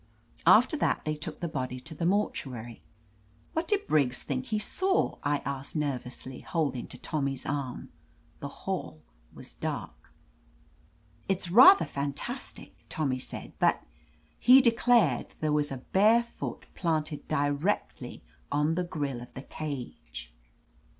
After that they took the body to the mortuary. "What did Briggs think he saw?" I asked nervously, holding to Tommy's arm. The hall was dark. 141 THE AMAZING ADVENTURES "It's rather fantastic," Tommy said, "but — he declared there was a bare foot planted di rectly on the grill of the cage."